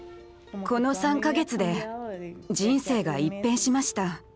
この３か月で人生が一変しました。